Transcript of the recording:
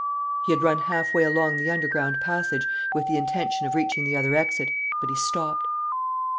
He had run halfway along the underground passage, with the intention of reaching the other exit. But he stopped.